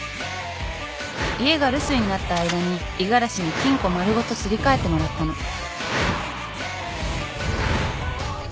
家が留守になった間に五十嵐に金庫丸ごとすり替えてもらったの。